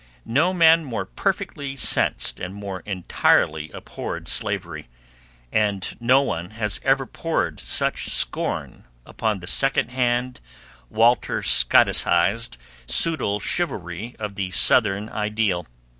No man more perfectly sensed and more entirely abhorred slavery, and no one has ever poured such scorn upon the second hand, Walter Scotticized, pseudo chivalry of the Southern ideal.